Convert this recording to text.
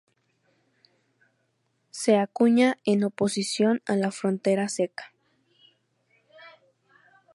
Se acuña en oposición a la frontera seca.